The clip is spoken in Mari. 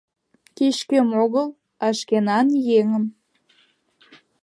Кеч-кӧм огыл, а шкенан еҥым.